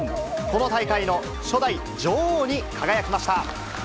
この大会の初代女王に輝きました。